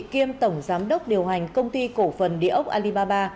kiêm tổng giám đốc điều hành công ty cổ phần địa ốc alibaba